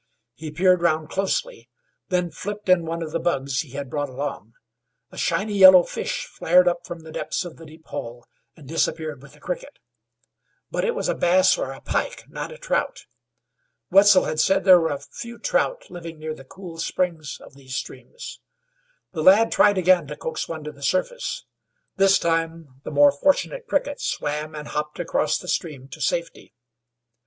He peered round closely, then flipped in one of the bugs he had brought along. A shiny yellow fish flared up from the depths of the deep hole and disappeared with the cricket; but it was a bass or a pike, not a trout. Wetzel had said there were a few trout living near the cool springs of these streams. The lad tried again to coax one to the surface. This time the more fortunate cricket swam and hopped across the stream to safety.